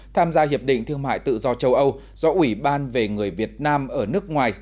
tham gia hiệp định thương mại tự do châu âu do ủy ban về người việt nam ở nước ngoài